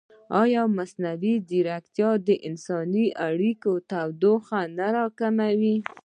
ایا مصنوعي ځیرکتیا د انساني اړیکو تودوخه نه راکموي؟